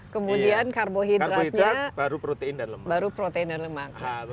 kemudian karbohidratnya baru protein dan lemak